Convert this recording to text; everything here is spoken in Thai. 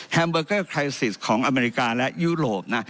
เบอร์เกอร์ไครซิสของอเมริกาและยุโรปนะ